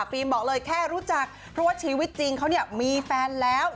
บอกเลยแค่รู้จักเพราะว่าชีวิตจริงเขาเนี่ยมีแฟนแล้ว